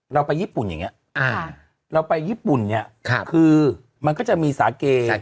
เราไปญี่ปุ่นอย่างนี้เราไปญี่ปุ่นเนี่ยคือมันก็จะมีสาเก